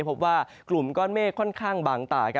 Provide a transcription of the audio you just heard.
พบว่ากลุ่มก้อนเมฆค่อนข้างบางตา